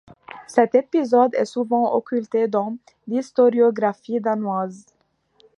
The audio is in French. Cet épisode est souvent occulté dans l'historiographie danoise.